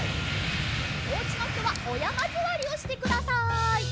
おうちのひとはおやまずわりをしてください。